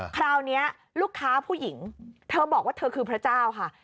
คราวนี้ลูกค้าผู้หญิงเธอบอกว่าเธอคือพระเจ้าค่ะ